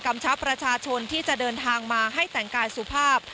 ชับประชาชนที่จะเดินทางมาให้แต่งกายสุภาพ